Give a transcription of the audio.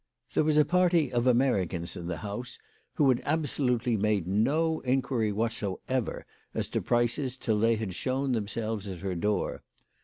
There was a party of Americans in the house who had absolutely made no inquiry what soever as to prices till they had shown themselves at her door.